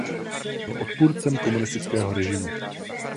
Byl odpůrcem komunistického režimu.